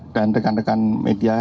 dan rekan rekan media